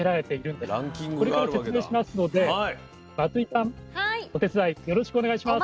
これから説明しますので松井さんお手伝いよろしくお願いします。